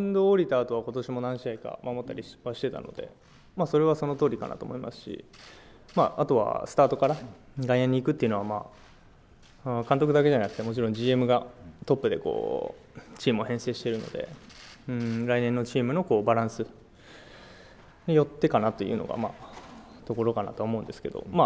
マウンドを降りたあとは、ことしも何試合か守ったりしていたので、それはそのとおりかなと思いますし、あとはスタートから外野に行くというのは、監督だけじゃなくてもちろんＧＭがトップでチームを編成しているので、来年のチームのバランスによってかなというのが、ところかなと思うんですが。